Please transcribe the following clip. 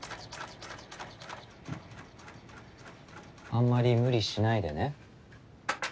あんまり無理しないでね。